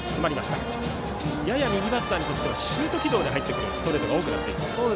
やや右バッターにとってはシュート軌道で入ってくるストレートが多いです。